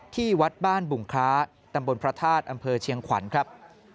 ที่วัดบ้านบุงคล้าตำบลพระธาตุอำเภอเชียงขวัญครับ